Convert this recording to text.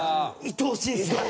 いとおしいんですよ。